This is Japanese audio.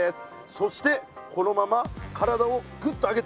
そしてこのまま体をぐっと上げて。